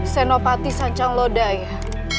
senopati sanjang lodaya